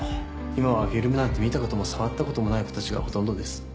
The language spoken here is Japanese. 今はフィルムなんて見たことも触ったこともない子たちがほとんどです